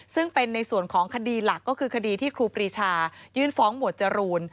ซึ่งเป็นในส่วนของคดีหลักก็คือคดีที่ครูปรีชายื่นฟ้องหมวดจรูน